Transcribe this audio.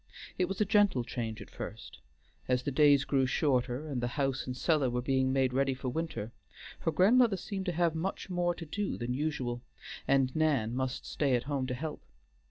It was a gentle change at first: as the days grew shorter and the house and cellar were being made ready for winter, her grandmother seemed to have much more to do than usual, and Nan must stay at home to help.